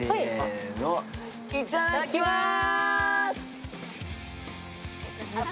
いただきまーす。